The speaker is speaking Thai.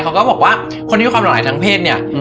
เขาก็บอกว่าคนที่มีความหลากหลายทางเพศเนี่ย